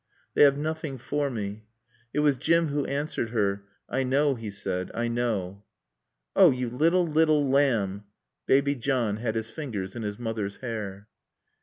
"They have nothing for me." It was Jim who answered her. "I knaw," he said, "I knaw." "Oh! You little, little lamb!" Baby John had his fingers in his mother's hair.